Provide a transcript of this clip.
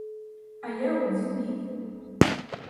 А я от зумів!